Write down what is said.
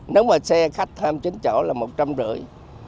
nếu mà xe khách tham chính chỗ là một trăm linh rưỡi